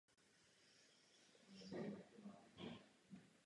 V současnosti se nezdá, že je tomu právě tak.